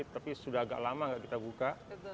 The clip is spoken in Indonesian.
tapi sudah agak lama nggak kita buka